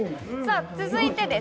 続いてです。